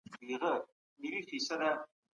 کابینه نړیوال قانون نه نقض کوي.